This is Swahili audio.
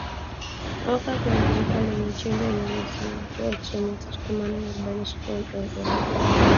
oka kwenye jiko lenye chenye nyuzijoto mia tatu themanini arobaini sifuri oF